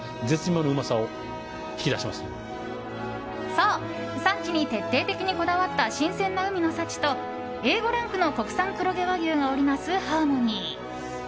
そう、産地に徹底的にこだわった新鮮な海の幸とＡ５ランクの国産黒毛和牛が織りなすハーモニー。